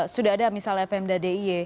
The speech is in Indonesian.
sudah ada misalnya pmddi